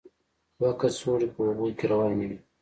دوه کڅوړې په اوبو کې روانې وې.